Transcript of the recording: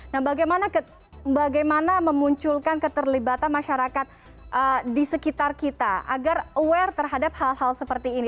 nah bagaimana memunculkan keterlibatan masyarakat di sekitar kita agar aware terhadap hal hal seperti ini